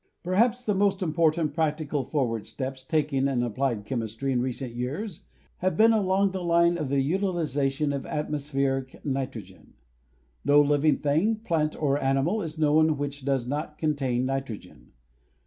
Perhaps the most important practical forward steps taken in applied chemistry in recent years have been along the line of the utilization of atmospheric nitrogen. No living thing, plant or animal, is known which does not con tain nitrogen.